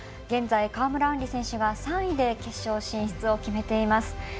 現在、川村あんり選手は３位で決勝進出を決めています。